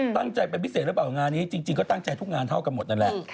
ตั้งใจเป็นพิเศษหรือเปล่างานนี้จริงก็ตั้งใจทุกงานเท่ากันหมดนั่นแหละ